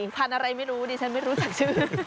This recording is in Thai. ภัณฑ์อะไรไม่รู้ดิทางไม่รู้จักชื่อ